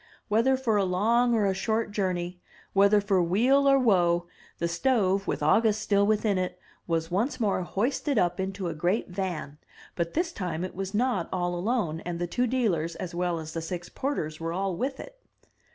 Whether for a long or a short journey, whether for weal or woe, the stove with August still within it, was once more hoisted up into a great van; but this time it was not all alone, and the two dealers as well as the six porters were all with it.